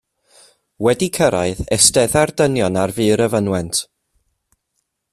Wedi cyrraedd, eisteddai'r dynion ar fur y fynwent.